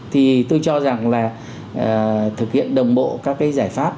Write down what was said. thì tôi cho rằng là thực hiện đồng bộ các cái giải pháp